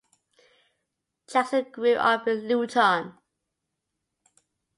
Jackson grew up in Luton.